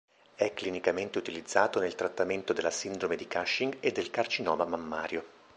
È clinicamente utilizzato nel trattamento della sindrome di Cushing e del carcinoma mammario.